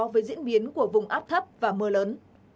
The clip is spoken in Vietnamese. với diễn biến của vùng áp thấp và mưa lớn